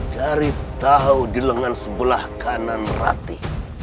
cari tahu di lengan sebelah kanan rati